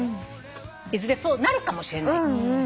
いずれそうなるかもしれない。